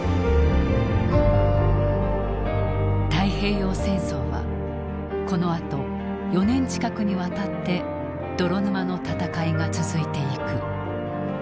太平洋戦争はこのあと４年近くにわたって泥沼の戦いが続いていく。